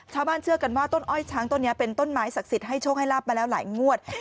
เชื่อกันว่าต้นอ้อยช้างต้นนี้เป็นต้นไม้ศักดิ์สิทธิ์ให้โชคให้ลาบมาแล้วหลายงวด